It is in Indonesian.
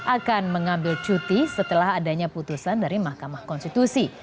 akan mengambil cuti setelah adanya putusan dari mahkamah konstitusi